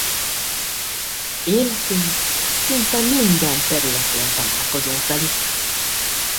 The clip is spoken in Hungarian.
Életünk szinte minden területén találkozunk velük.